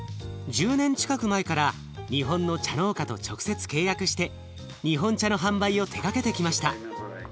１０年近く前から日本の茶農家と直接契約して日本茶の販売を手がけてきました。